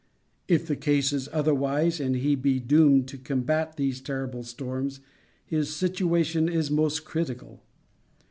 If the case is otherwise and he be doomed to combat these terrible storms, his situation is most critical.